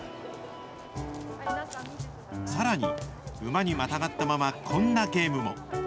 さらに、馬にまたがったまま、こんなゲームも。